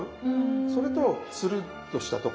それとつるっとしたところ。